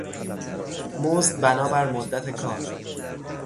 مزد بنابر مدت کار